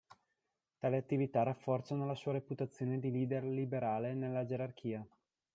Tali attività rafforzarono la sua reputazione di leader liberale nella gerarchia.